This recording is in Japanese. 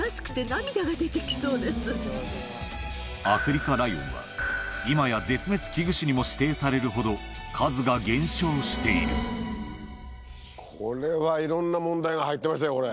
アフリカライオンは今や絶滅危惧種にも指定されるほど数が減少しているこれはいろんな問題が入ってましたよ